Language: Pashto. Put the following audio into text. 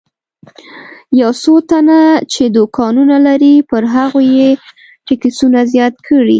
یو څو تنه چې دوکانونه لري پر هغوی یې ټکسونه زیات کړي.